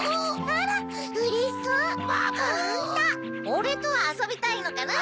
おれとあそびたいのかな？